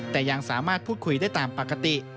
แต่ยังสามารถพูดคุยได้ตามปกติ